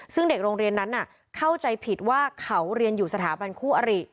ซึ่งเด็กโรงเรียนนั้นเข้าใจผิดว่าเขาเรียนอยู่สถาบันคู่อริ